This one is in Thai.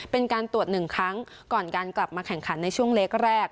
เป็นการตรวจ๑ครั้งก่อนการกลับมาแข่งขันในช่วงเล็กแรก